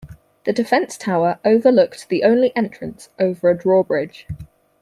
The defence tower overlooked the only entrance over a drawbridge.